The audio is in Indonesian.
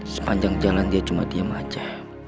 sepanjang jalan dia cuma diam aja